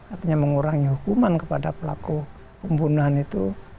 artinya mengurangi hukuman kepada pelaku pembunuhan itu